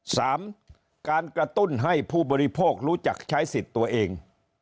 สามการกระตุ้นให้ผู้บริโภครู้จักใช้สิทธิ์ตัวเอง